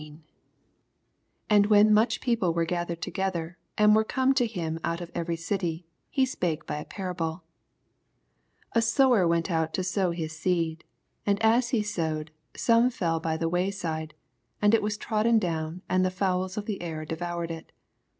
4 And when mnob people were ga thered together, and were come to him ont of every city, he spake by a parable: 5 A sower went ont to sow his seed : and as he sowed, some fell by the way side : and it was trodden down, and the lowls of the air devoured it.